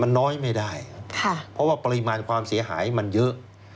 มันน้อยไม่ได้ครับเพราะว่าปริมาณความเสียหายมันเยอะ